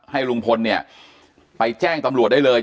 ให้ลุงพลเนี่ยไปแจ้งตำรวจได้เลย